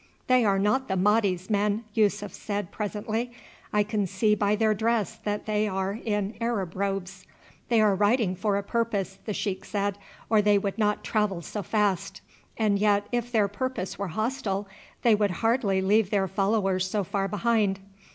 "They are not the Mahdi's men," Yussuf said presently; "I can see by their dress that they are in Arab robes." "They are riding for a purpose," the sheik said, "or they would not travel so fast, and yet if their purpose were hostile they would hardly leave their followers so far behind.